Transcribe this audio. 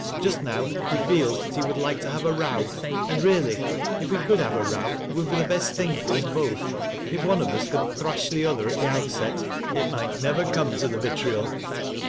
Just now he feels that he would like to have a row, — and really, if we could have a row, it would be the best thing for us both. li one of us could thrash the other at the outset, it might never come to the vitriol."